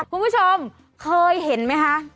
คุณผู้ชมเคยเห็นไหมคะ